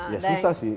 ya susah sih